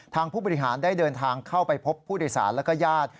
ผู้บริหารได้เดินทางเข้าไปพบผู้โดยสารแล้วก็ญาติ